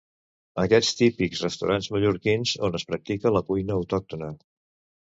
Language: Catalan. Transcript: aquests típics restaurants mallorquins on es practica la cuina autòctona